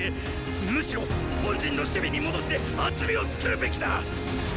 むしろ本陣の守備に戻して厚みを作るべきだ！